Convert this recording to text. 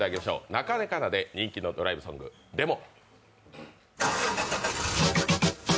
なかねかなで人気のドライブソング、「ｄｅｍｏ」。